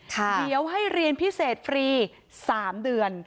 เดี๋ยวให้เรียนพิเศษฟรี๓เดือน